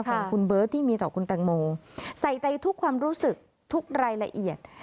ของคุณเบิร์ตที่มีต่อคุณแตงโมใส่ใจทุกความรู้สึกทุกรายละเอียด